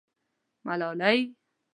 _ملالۍ.